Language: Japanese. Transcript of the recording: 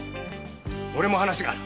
俺も話がある。